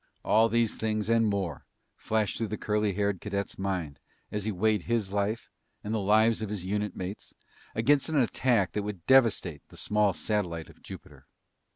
All these things and more flashed through the curly haired cadet's mind as he weighed his life and the lives of his unit mates against an attack that would devastate the small satellite of Jupiter.